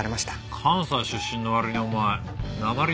関西出身の割にお前なまりねえな。